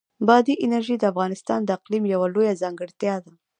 بادي انرژي د افغانستان د اقلیم یوه لویه ځانګړتیا ده.